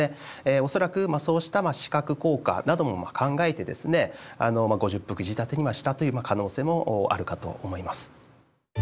恐らくそうした視覚効果なども考えて５０幅仕立てにしたという可能性もあるかと思います。